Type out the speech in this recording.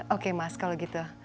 oke mas kalau gitu